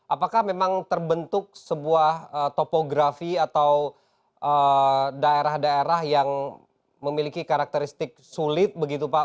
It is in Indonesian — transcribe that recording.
apakah memang terbentuk sebuah topografi atau daerah daerah yang memiliki karakteristik sulit begitu pak